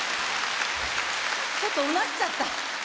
ちょっとうなっちゃった。